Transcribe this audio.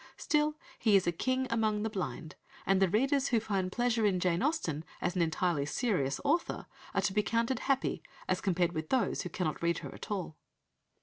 Still, he is a king among the blind, and the readers who find pleasure in Jane Austen as an entirely serious author are to be counted happy as compared with those who cannot read her at all.